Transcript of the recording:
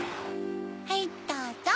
はいどうぞ！